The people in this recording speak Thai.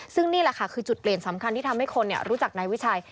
ซึ่งนี่แหละค่ะคือจุดเปลี่ยนสำคัญที่ทำให้คนรู้จักนายวิชัย